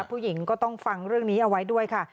ผู้หญิงก็ต้องฟังเรื่องนี้เอาไว้ด้วยค่ะ